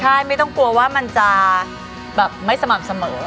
ใช่ไม่ต้องกลัวว่ามันจะแบบไม่สม่ำเสมอ